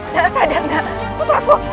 tak sadar gak puter aku